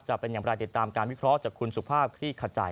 จะเป็นอย่างไรติดตามการวิเคราะห์จากคุณสุภาพคลี่ขจาย